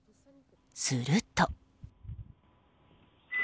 すると。